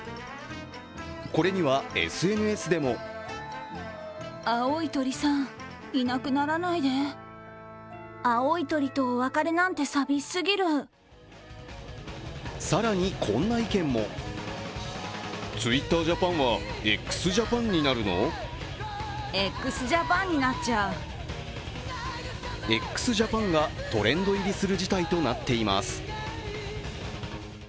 これにはＳＮＳでも更に、こんな意見もＸＪＡＰＡＮがトレンド入りする事態となっています。